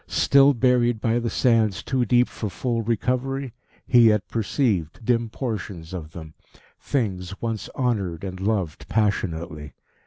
Still buried by the sands too deep for full recovery, he yet perceived dim portions of them things once honoured and loved passionately.